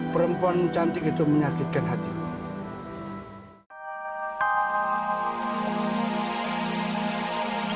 perempuan cantik itu menyakitkan hatiku